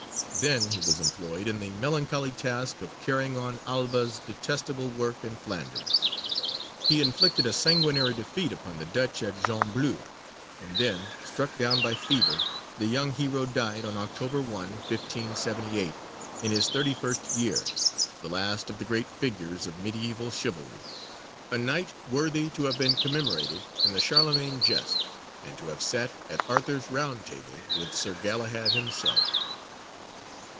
Then he was employed in the melancholy task of carrying on Alva's detestable work in Flanders. He inflicted a sanguinary defeat upon the Dutch at Gembloux, and then, struck down by fever, the young hero died on October 1, 1578, in his thirty first year, the last of the great figures of medieval chivalry a knight worthy to have been commemorated in the Charlemagne gestes and to have sat at Arthur's Round Table with Sir Galahad himself.